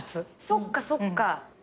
そっかそっか。